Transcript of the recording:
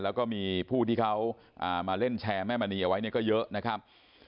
แล้วก็มีผู้ที่เขามาเล่นแชร์แม่มณีเอาไว้เนี่ยก็เยอะนะครับ